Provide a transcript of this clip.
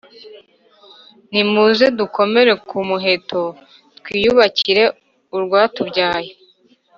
Nimuze dukomere ku muheto twiyubakire urwatubyaye